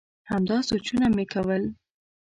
همدا سوچونه مي کول ؟